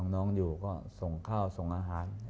น้องอยู่ก็ส่งข้าวส่งอาหาร